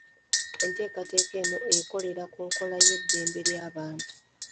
Entekateka eno ekolera ku nkola y'eddembe ly'abantu.